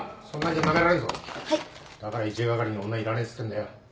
だから一係に女はいらねえって言ってんだよ。